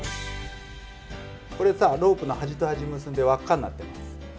これさロープの端と端結んで輪っかになってます。